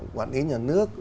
quản lý nhà nước